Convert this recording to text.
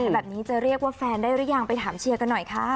แบบนี้จะเรียกว่าแฟนได้หรือยังไปถามเชียร์กันหน่อยค่ะ